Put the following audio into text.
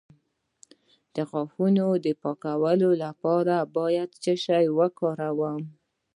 د غاښونو د پاکوالي لپاره باید څه شی وکاروم؟